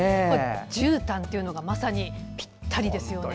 じゅうたんというのがまさにぴったりですよね。